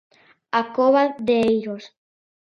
A Cova de Eirós.